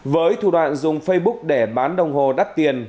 với thủ đoạn dùng facebook để bán đồng hồ đắt tiền